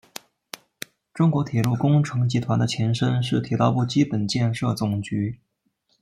中国铁路工程集团的前身是铁道部基本建设总局。